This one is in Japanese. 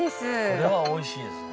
これはおいしいですね。